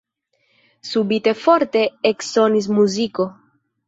Subite forte eksonis muziko.